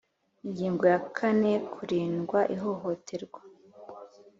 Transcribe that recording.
Ingingo ya kane Kurindwa ihohoterwa